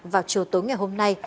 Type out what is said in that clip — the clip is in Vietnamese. vào chiều tối ngày hôm nay